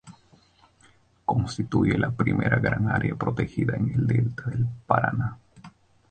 Constituye la primera gran área protegida en el delta del Paraná.